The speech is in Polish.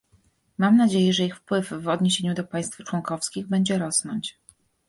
Mam nadzieję, że ich wpływ w odniesieniu do państw członkowskich będzie rosnąć